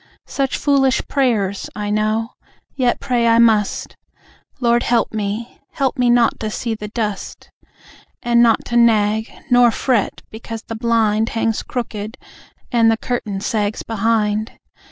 Such foolish prayers! I know. Yet pray I must. Lord help me help me not to see the dust! And not to nag, nor fret because the blind Hangs crooked, and the curtain sags be hind.